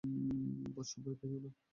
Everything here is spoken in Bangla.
বৎস, ভয় পাইও না।